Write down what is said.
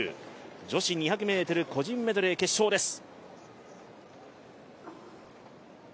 女子２００ｍ個人メドレー決勝です。